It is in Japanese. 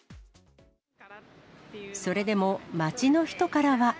それでも街の人からは。